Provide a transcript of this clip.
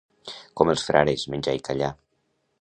Com els frares, menjar i callar.